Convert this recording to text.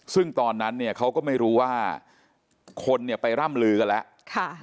ซึ่งตอนนั้นเขาก็ไม่รู้ว่าคนไปร่ำลือกันแล้ว